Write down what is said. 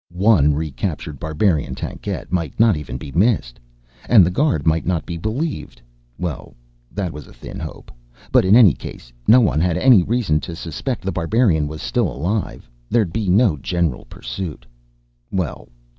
One recaptured barbarian tankette might not even be missed. And the guard might not be believed well, that was a thin hope but, in any case, no one had any reason to suspect The Barbarian was still alive. There'd be no general pursuit. Well